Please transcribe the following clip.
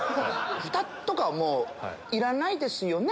ふたとかいらないですよね？